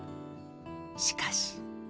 しかし。